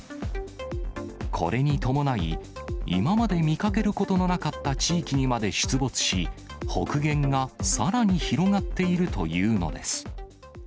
これに伴い、今まで見かけることのなかった地域にまで出没し、北限がさらに広がっているというのです。